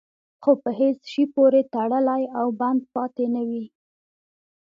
خو په هېڅ شي پورې تړلی او بند پاتې نه وي.